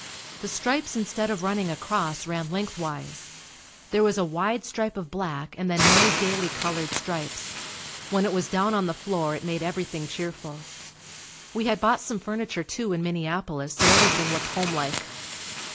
The stripes instead of running across, ran lengthwise. There was a wide stripe of black and then many gaily colored stripes. When it was down on the floor, it made everything cheerful. We had bought some furniture too in Minneapolis so everything looked homelike.